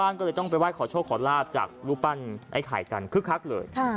ไอ้ไข่กันคึกคักเลย